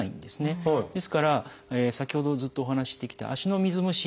ですから先ほどずっとお話ししてきた足の水虫